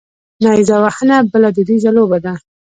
نیره وهنه بله دودیزه لوبه ده.